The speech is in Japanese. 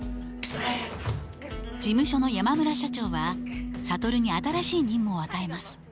事務所の山村社長は諭に新しい任務を与えます。